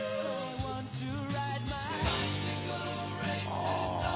ああ！